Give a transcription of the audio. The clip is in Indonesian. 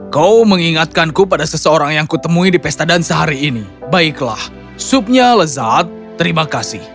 kau mengingatkanku pada seseorang yang kutemui di pesta dan sehari ini baiklah supnya lezat terima kasih